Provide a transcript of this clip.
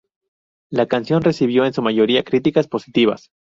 La canción recibió en su mayoría críticas positivas.